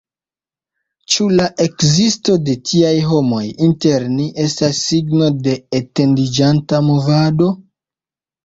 Ĉu la ekzisto de tiaj homoj inter ni estas signo de etendiĝanta movado?